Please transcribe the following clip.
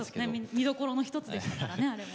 見どころの一つでしたからねあれも。